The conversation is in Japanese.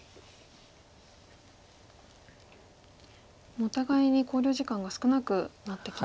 お互いに考慮時間が少なくなってきましたね。